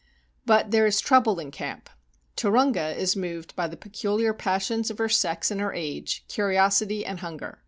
But there is trouble in camp. Turunga is moved by the peculiar passions of her sex and her age, curiosity and hunger.